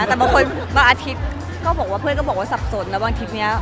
แต่ก็คงจะเป็นคนระแนวกันเลยค่ะ